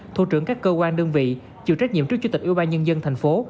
thủ trưởng các cơ quan đơn vị chịu trách nhiệm trước chủ tịch ưu ba nhân dân thành phố